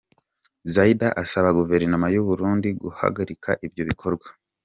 Zeid asaba Guverinoma y’u Burundi guhagarika ibyo bikorwa.